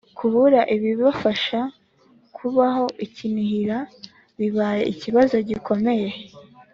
kubura ibibafasha kubaho i Kinihira bibaye ikibazo gikomeye